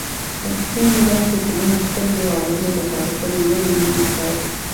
سپی مې داسې په مینه خپلې سترګې غړوي لکه د کومې نوې مینې پیل.